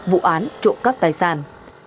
vụ án trộm cắp tài sản